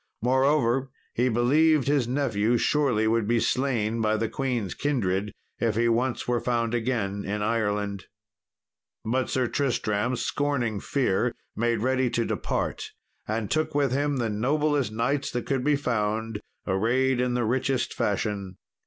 Moreover, he believed his nephew surely would be slain by the queen's kindred if he once were found again in Ireland. But Sir Tristram, scorning fear, made ready to depart, and took with him the noblest knights that could be found, arrayed in the richest fashion.